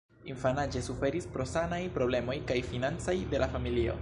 Infanaĝe suferis pro sanaj problemoj kaj financaj de la familio.